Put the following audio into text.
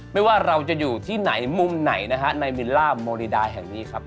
ไม่ว่าเราจะอยู่ที่ไหนมุมไหนนะฮะในมิลล่าโมริดาแห่งนี้ครับ